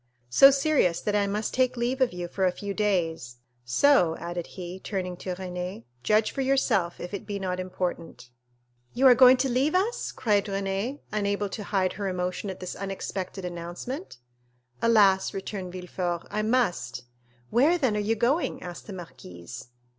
"So serious that I must take leave of you for a few days; so," added he, turning to Renée, "judge for yourself if it be not important." "You are going to leave us?" cried Renée, unable to hide her emotion at this unexpected announcement. "Alas," returned Villefort, "I must!" "Where, then, are you going?" asked the marquise.